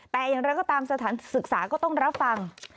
แต่อย่างไรก็ตามสถานศึกษาก็ต้องรับฟัง